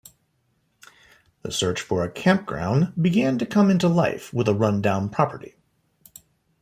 The search for a campground began to come into life with a run-down property.